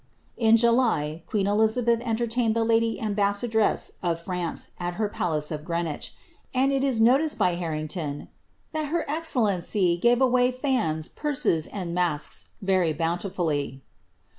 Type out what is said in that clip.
* hi July, queen Elizabeth entertained the lady ambassadress of France at her palace of Greenwich ; and it is noticed by Harrington, ^^ that her excellency gave away fans, purses, and masks very boimtifully.